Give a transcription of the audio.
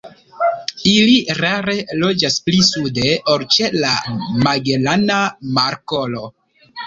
Ili rare loĝas pli sude ol ĉe la Magelana Markolo.